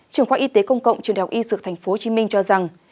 trưởng khoa y tế công cộng trường đại học y dược tp hcm cho rằng